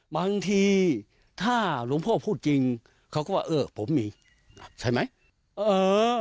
บางทีถ้าหลวงพ่อพูดจริงเขาก็ว่าเออผมมีใช่ไหมเออ